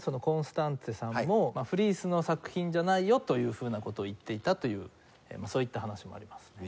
コンスタンツェさんも「フリースの作品じゃないよ」というふうな事を言っていたというそういった話もあります。